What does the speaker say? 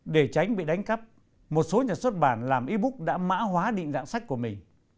để tránh bị đánh cắp một số nhà xuất bản làm ebook đã mã hóa định dạng sách của mình